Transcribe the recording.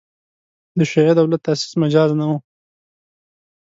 د شیعه دولت تاسیس مجاز نه وو.